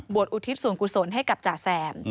อุทิศส่วนกุศลให้กับจ่าแซม